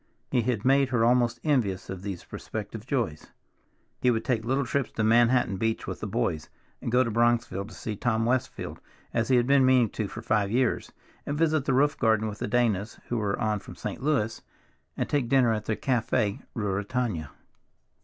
He had made her almost envious of these prospective joys. He would take little trips to Manhattan Beach with "the boys" and go to Bronxville to see Tom Westfield, as he had been meaning to for five years, and visit the roof garden with the Danas, who were on from St. Louis, and take dinner at the Café Ruritania.